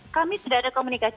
kami tidak ada komunikasi